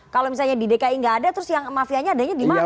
kalau misalnya di dki nggak ada terus yang mafianya adanya di mana